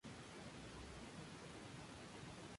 Adele interpretó la canción varias veces.